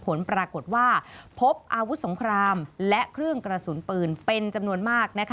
ผลปรากฏว่าพบอาวุธสงครามและเครื่องกระสุนปืนเป็นจำนวนมาก